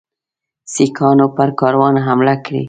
سیکهانو پر کاروان حمله کړې.